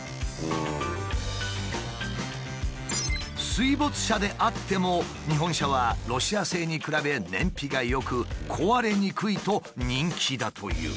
水没車であっても日本車はロシア製に比べ燃費が良く壊れにくいと人気だという。